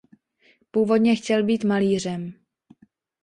Původně chtěl být malířem.